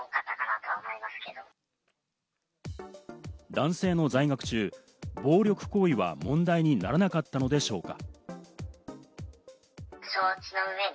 男性の在学中、暴力行為は問題にならなかったのでしょうか？